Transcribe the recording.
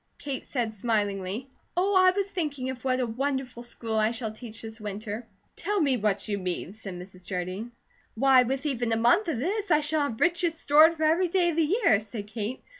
Kate said smilingly: "Oh, I was thinking of what a wonderful school I shall teach this winter." "Tell me what you mean," said Mrs. Jardine. "Why, with even a month of this, I shall have riches stored for every day of the year," said Kate.